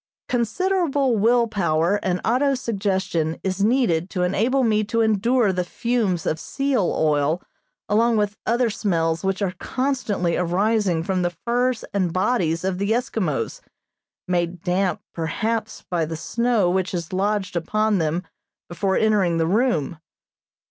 Considerable will power and auto suggestion is needed to enable me to endure the fumes of seal oil along with other smells which are constantly arising from the furs and bodies of the Eskimos, made damp, perhaps, by the snow which has lodged upon them before entering the room.